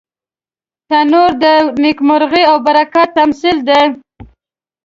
تنور د نیکمرغۍ او برکت تمثیل دی